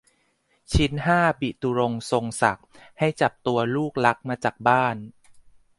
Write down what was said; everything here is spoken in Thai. ชิ้นห้าบิตุรงค์ทรงศักดิ์ ให้จับตัวลูกรักมาจากบ้าน